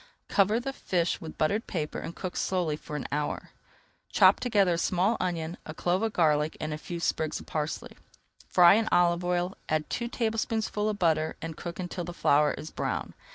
Cover the fish with buttered paper and cook slowly for [Page 283] an hour. Chop together a small onion, a clove of garlic, and a few sprigs of parsley. Fry in olive oil, add two tablespoonfuls of flour, and cook until the flour is brown.